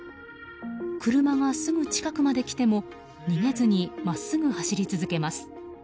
車がすぐ近くまで来ても逃げずに真っすぐ走り続けます。